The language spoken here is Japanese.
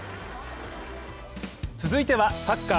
続いては、サッカー。